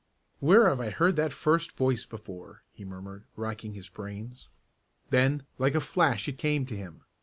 "Where have I heard that first voice before?" he murmured, racking his brains. Then like a flash it came to him.